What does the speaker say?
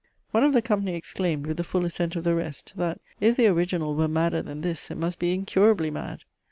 One of the company exclaimed, with the full assent of the rest, that if the original were madder than this, it must be incurably mad.